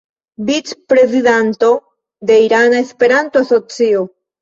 Vicprezidanto de Irana Esperanto-Asocio.